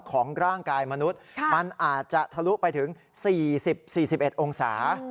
ของร่างกายมนุษย์มันอาจจะทะลุไปถึง๔๐๔๑องศา